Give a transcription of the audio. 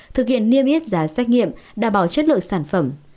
thực hiện niêm yết giá xét nghiệm đảm bảo chất lượng sản phẩm